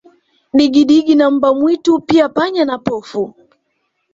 Digidigi na mbwa mwitu pia panya na pofu